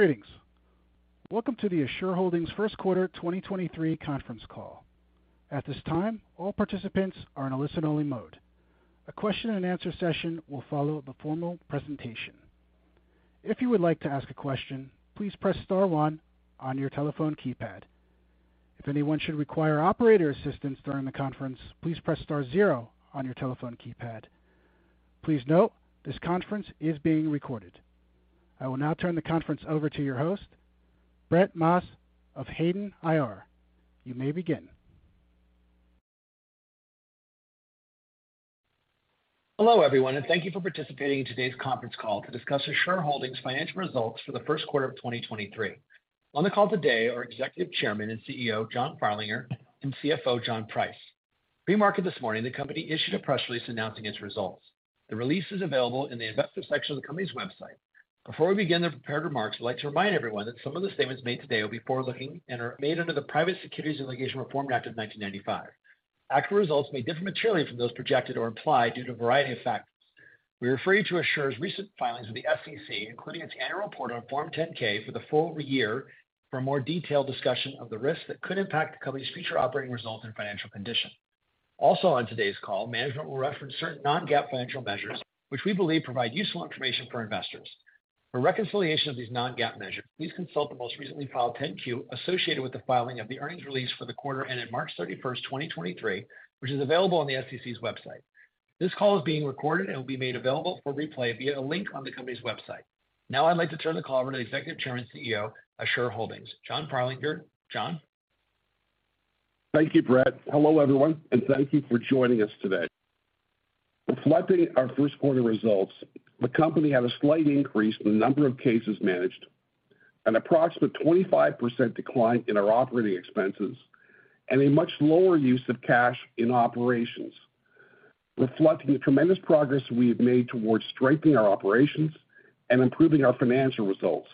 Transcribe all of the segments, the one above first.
Greetings. Welcome to the Assure Holdings Q1 2023 conference call. At this time, all participants are in a listen-only mode. A question-and-answer session will follow the formal presentation. If you would like to ask a question, please press star one on your telephone keypad. If anyone should require operator assistance during the conference, please press star zero on your telephone keypad. Please note this conference is being recorded. I will now turn the conference over to your host, Brett Maas of Hayden IR. You may begin. Hello everyone, and thank you for participating in today's conference call to discuss Assure Holdings financial results for the Q1 of 2023. On the call today are Executive Chairman and CEO, John Farlinger, and CFO, John Price. Pre-market this morning, the company issued a press release announcing its results. The release is available in the investor section of the company's website. Before we begin the prepared remarks, we'd like to remind everyone that some of the statements made today will be forward-looking and are made under the Private Securities Litigation Reform Act of 1995. Actual results may differ materially from those projected or implied due to a variety of factors. We refer you to Assure's recent filings with the SEC, including its annual report on Form 10-K for the full year for a more detailed discussion of the risks that could impact the company's future operating results and financial condition. Also on today's call, management will reference certain non-GAAP financial measures which we believe provide useful information for investors. For reconciliation of these non-GAAP measures, please consult the most recently filed 10-Q associated with the filing of the earnings release for the quarter ended March 31st 2023, which is available on the SEC's website. This call is being recorded and will be made available for replay via a link on the company's website. Now I'd like to turn the call over to Executive Chairman and CEO, Assure Holdings, John Farlinger. John? Thank you, Brett. Hello, everyone, thank you for joining us today. Reflecting our Q1 results, the company had a slight increase in the number of cases managed, an approximate 25% decline in our operating expenses, and a much lower use of cash in operations, reflecting the tremendous progress we have made towards strengthening our operations and improving our financial results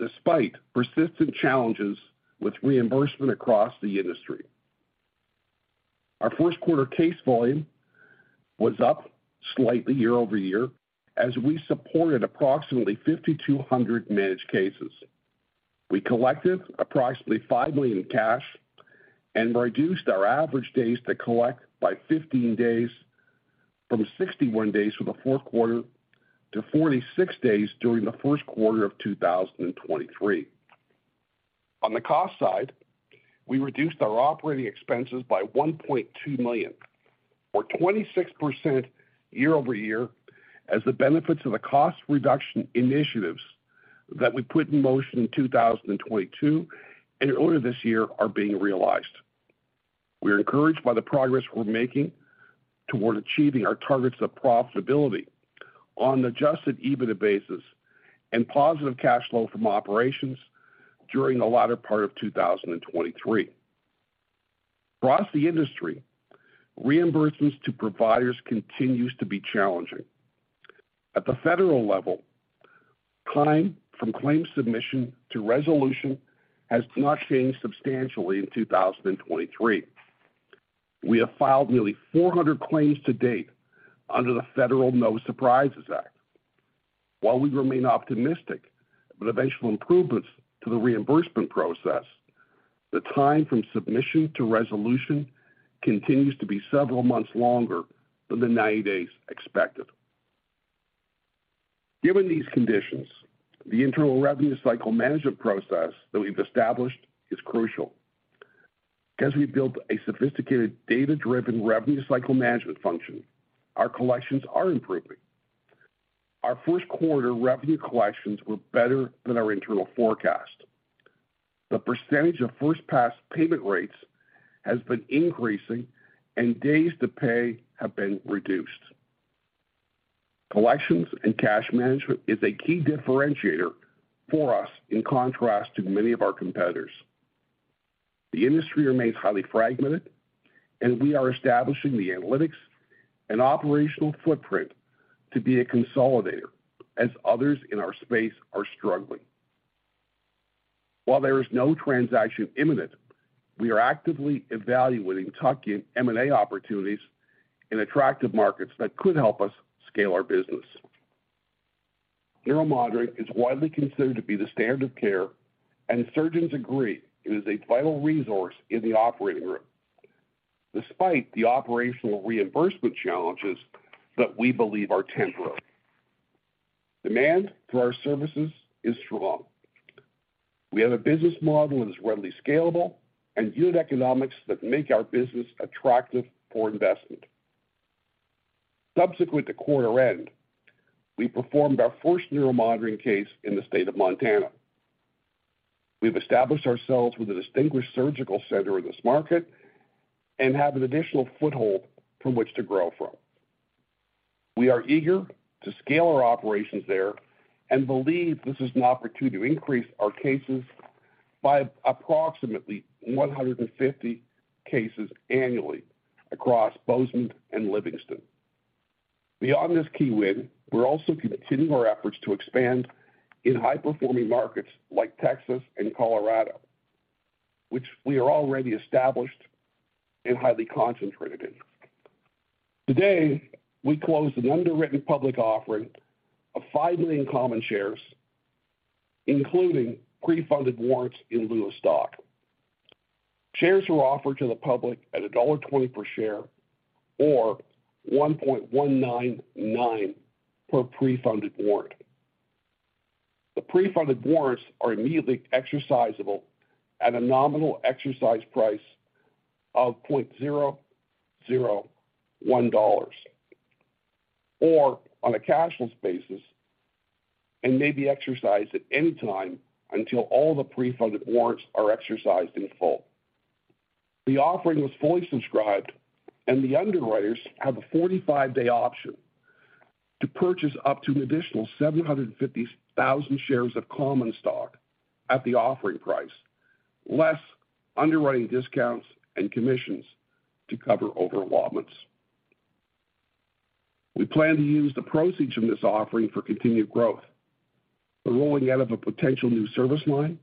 despite persistent challenges with reimbursement across the industry. Our Q1 case volume was up slightly year-over-year as we supported approximately 5,200 managed cases. We collected approximately $5 million in cash and reduced our average days to collect by 15 days from 61 days for the Q4 to 46 days during the Q1 of 2023. On the cost side, we reduced our operating expenses by $1.2 million or 26% year-over-year as the benefits of the cost reduction initiatives that we put in motion in 2022 and earlier this year are being realized. We are encouraged by the progress we're making toward achieving our targets of profitability on an adjusted EBITDA basis and positive cash flow from operations during the latter part of 2023. Across the industry, reimbursements to providers continues to be challenging. At the federal level, time from claim submission to resolution has not changed substantially in 2023. We have filed nearly 400 claims to date under the Federal No Surprises Act. While we remain optimistic about eventual improvements to the reimbursement process, the time from submission to resolution continues to be several months longer than the 90 days expected. Given these conditions, the internal revenue cycle management process that we've established is crucial. As we build a sophisticated data-driven revenue cycle management function, our collections are improving. Our Q1 revenue collections were better than our internal forecast. The percentage of first pass payment rates has been increasing and days to pay have been reduced. Collections and cash management is a key differentiator for us in contrast to many of our competitors. The industry remains highly fragmented and we are establishing the analytics and operational footprint to be a consolidator as others in our space are struggling. While there is no transaction imminent, we are actively evaluating tuck-in M&A opportunities in attractive markets that could help us scale our business. Neuromonitoring is widely considered to be the standard of care, and surgeons agree it is a vital resource in the operating room despite the operational reimbursement challenges that we believe are temporary. Demand for our services is strong. We have a business model that is readily scalable and unit economics that make our business attractive for investment. Subsequent to quarter end, we performed our first neuromonitoring case in the state of Montana. We've established ourselves with a distinguished surgical center in this market and have an additional foothold from which to grow from. We are eager to scale our operations there and believe this is an opportunity to increase our cases by approximately 150 cases annually across Bozeman and Livingston. Beyond this key win, we're also continuing our efforts to expand in high-performing markets like Texas and Colorado, which we are already established and highly concentrated in. Today, we closed an underwritten public offering of 5,000,000 common shares, including pre-funded warrants in lieu of stock. Shares were offered to the public at $1.20 per share, or $1.199 per pre-funded warrant. The pre-funded warrants are immediately exercisable at a nominal exercise price of $0.001 or on a cashless basis and may be exercised at any time until all the pre-funded warrants are exercised in full. The offering was fully subscribed, and the underwriters have a 45-day option to purchase up to an additional 750,000 shares of common stock at the offering price, less underwriting discounts and commissions to cover over allotments. We plan to use the proceeds from this offering for continued growth, the rolling out of a potential new service line,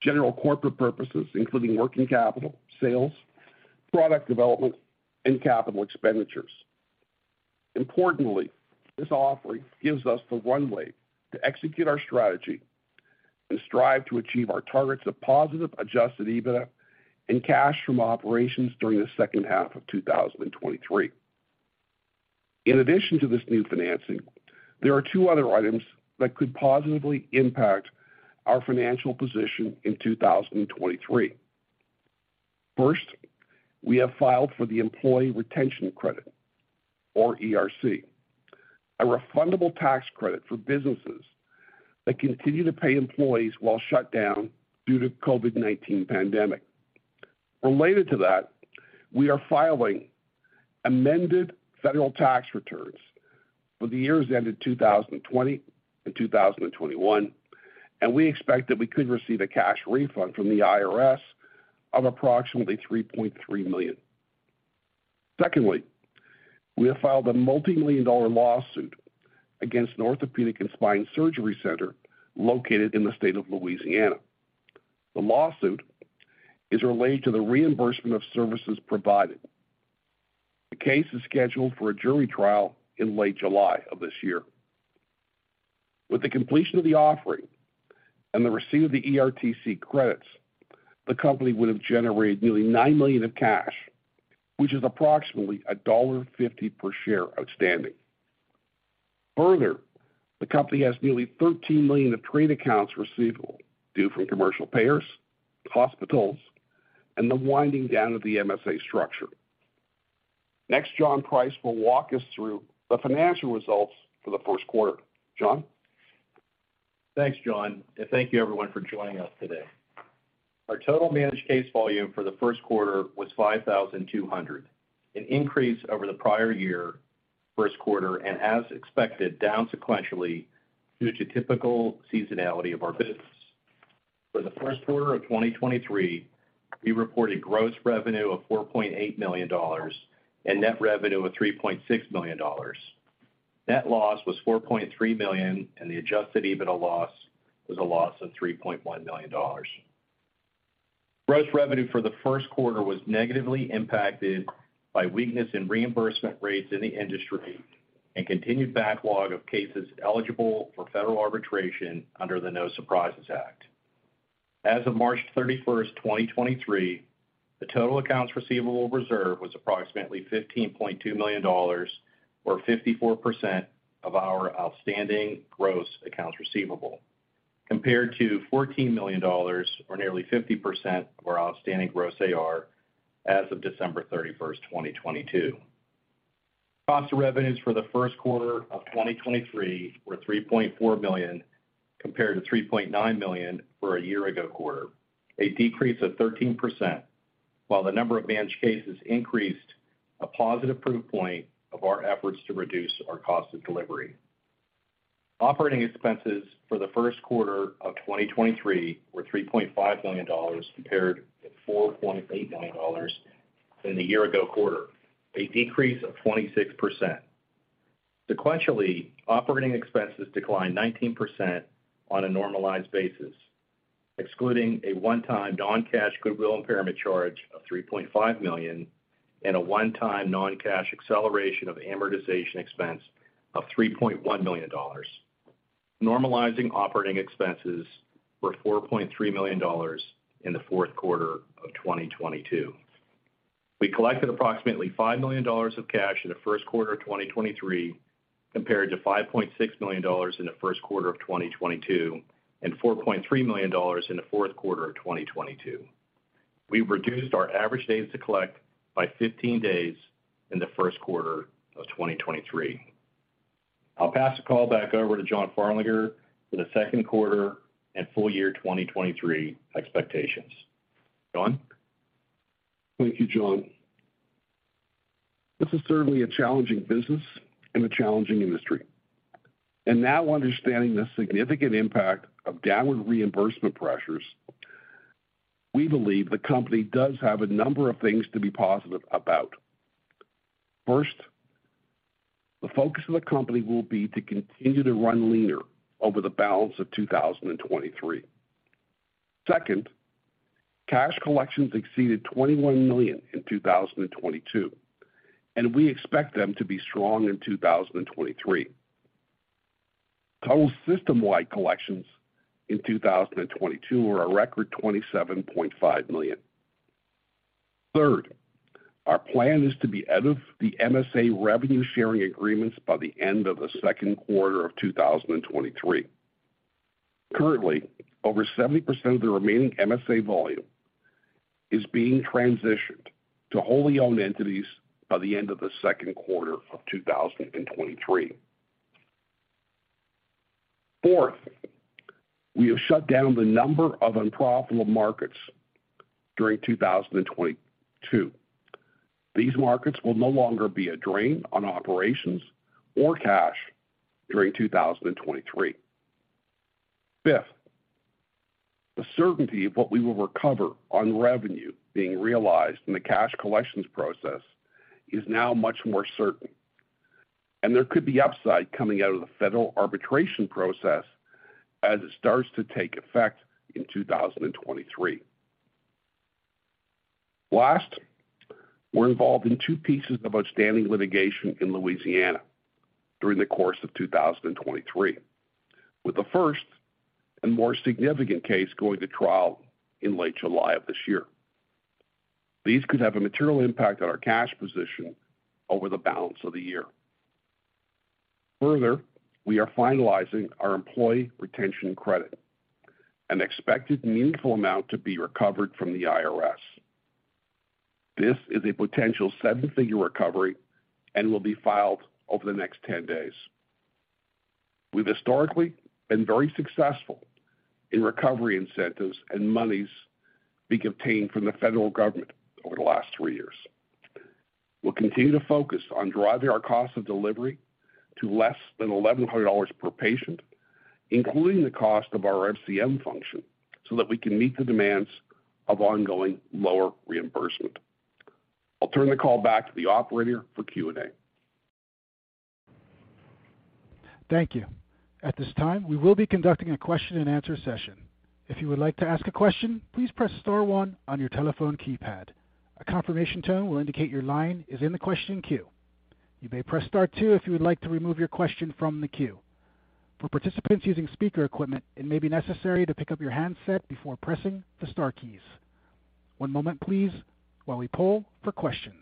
general corporate purposes, including working capital, sales, product development, and capital expenditures. Importantly, this offering gives us the runway to execute our strategy and strive to achieve our targets of positive adjusted EBITDA and cash from operations during the second half of 2023. In addition to this new financing, there are two other items that could positively impact our financial position in 2023. First, we have filed for the Employee Retention Credit, or ERC, a refundable tax credit for businesses that continue to pay employees while shut down due to COVID-19 pandemic. Related to that, we are filing amended federal tax returns for the years ended 2020 and 2021, and we expect that we could receive a cash refund from the IRS of approximately $3.3 million. Secondly, we have filed a multi-million dollar lawsuit against an orthopedic and spine surgery center located in the state of Louisiana. The lawsuit is related to the reimbursement of services provided. The case is scheduled for a jury trial in late July of this year. With the completion of the offering and the receipt of the ERTC credits, the company would have generated nearly $9 million of cash, which is approximately $1.50 per share outstanding. Further, the company has nearly $13 million of trade accounts receivable due from commercial payers, hospitals, and the winding down of the MSA structure. Next, John Price will walk us through the financial results for the Q1. John. Thanks, John, and thank you everyone for joining us today. Our total managed case volume for the Q1 was 5,200, an increase over the prior year Q1 and as expected, down sequentially due to typical seasonality of our business. For the Q1 of 2023, we reported gross revenue of $4.8 million and net revenue of $3.6 million. Net loss was $4.3 million and the adjusted EBITDA loss was a loss of $3.1 million. Gross revenue for the Q1 was negatively impacted by weakness in reimbursement rates in the industry and continued backlog of cases eligible for federal arbitration under the No Surprises Act. As of March 31 2023, the total accounts receivable reserve was approximately $15.2 million, or 54% of our outstanding gross accounts receivable, compared to $14 million or nearly 50% of our outstanding gross AR as of December 31 2022. Cost of revenues for the Q1 of 2023 were $3.4 million compared to $3.9 million for a year ago quarter, a decrease of 13%, while the number of managed cases increased a positive proof point of our efforts to reduce our cost of delivery. Operating expenses for the Q1 of 2023 were $3.5 million compared to $4.8 million in the year ago quarter, a decrease of 26%. Sequentially, operating expenses declined 19% on a normalized basis, excluding a one-time non-cash goodwill impairment charge of $3.5 million and a one-time non-cash acceleration of amortization expense of $3.1 million. Normalizing operating expenses were $4.3 million in the Q4 of 2022. We collected approximately $5 million of cash in the Q1 of 2023 compared to $5.6 million in the Q1 of 2022 and $4.3 million in the Q4 of 2022. We've reduced our average days to collect by 15 days in the Q1 of 2023. I'll pass the call back over to John Farlinger for the Q2 and full year 2023 expectations. John. Thank you, John. This is certainly a challenging business in a challenging industry. Now understanding the significant impact of downward reimbursement pressures, we believe the company does have a number of things to be positive about. First, the focus of the company will be to continue to run leaner over the balance of 2023. Second, cash collections exceeded $21 million in 2022, and we expect them to be strong in 2023. Total system-wide collections in 2022 were a record $27.5 million. Third, our plan is to be out of the MSA revenue sharing agreements by the end of the Q2 of 2023. Currently, over 70% of the remaining MSA volume is being transitioned to wholly owned entities by the end of the Q2 of 2023. Fourth, we have shut down the number of unprofitable markets during 2022. These markets will no longer be a drain on operations or cash during 2023. Fifth, the certainty of what we will recover on revenue being realized in the cash collections process is now much more certain. There could be upside coming out of the federal arbitration process as it starts to take effect in 2023. Last, we're involved in two pieces of outstanding litigation in Louisiana during the course of 2023, with the first and more significant case going to trial in late July of this year. These could have a material impact on our cash position over the balance of the year. We are finalizing our Employee Retention Credit, an expected meaningful amount to be recovered from the IRS. This is a potential $7-figure recovery and will be filed over the next 10 days. We've historically been very successful in recovery incentives and monies being obtained from the federal government over the last three years. We'll continue to focus on driving our cost of delivery to less than $1,100 per patient, including the cost of our RCM function, so that we can meet the demands of ongoing lower reimbursement. I'll turn the call back to the operator for Q&A. Thank you. At this time, we will be conducting a question-and-answer session. If you would like to ask a question, please press star one on your telephone keypad. A confirmation tone will indicate your line is in the question queue. You may press star two if you would like to remove your question from the queue. For participants using speaker equipment, it may be necessary to pick up your handset before pressing the star keys. One moment please while we poll for questions.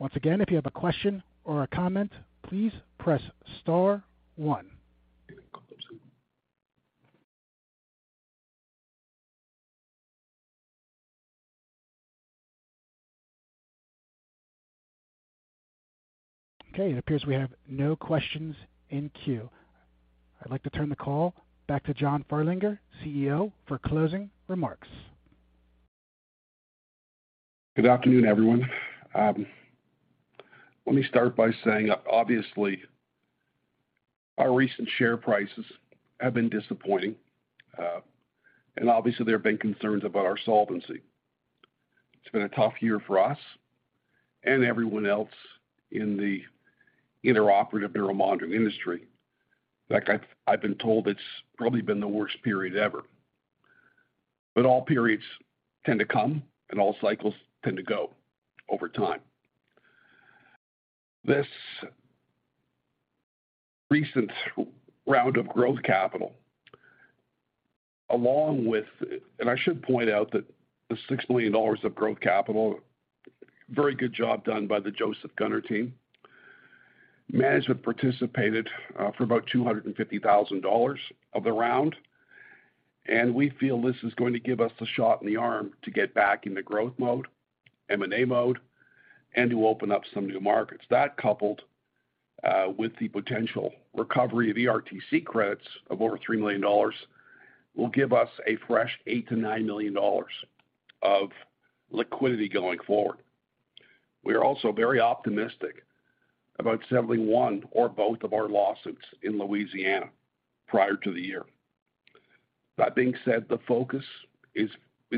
Once again, if you have a question or a comment, please press star one. Getting close. Okay, it appears we have no questions in queue. I'd like to turn the call back to John Farlinger, CEO, for closing remarks. Good afternoon, everyone. Let me start by saying obviously our recent share prices have been disappointing, and obviously there have been concerns about our solvency. It's been a tough year for us and everyone else in the intraoperative neuromonitoring industry. In fact, I've been told it's probably been the worst period ever. All periods tend to come and all cycles tend to go over time. This recent round of growth capital, I should point out that the $6 million of growth capital, very good job done by the Joseph Gunnar team. Management participated for about $250,000 of the round, we feel this is going to give us the shot in the arm to get back into growth mode, M&A mode, and to open up some new markets. That, coupled with the potential recovery of ERTC credits of over $3 million, will give us a fresh $8 million-$9 million of liquidity going forward. We are also very optimistic about settling one or both of our lawsuits in Louisiana prior to the year. That being said, the focus is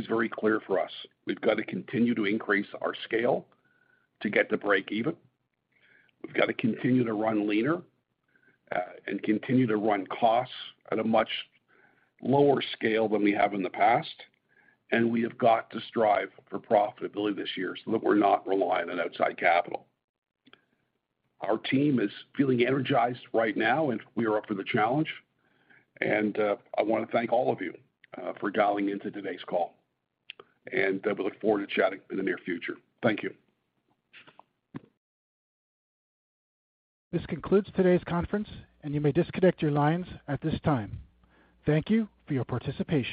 very clear for us. We've got to continue to increase our scale to get to break even. We've got to continue to run leaner and continue to run costs at a much lower scale than we have in the past. We have got to strive for profitability this year so that we're not reliant on outside capital. Our team is feeling energized right now and we are up for the challenge. I wanna thank all of you, for dialing into today's call, and, we look forward to chatting in the near future. Thank you. This concludes today's conference, and you may disconnect your lines at this time. Thank you for your participation.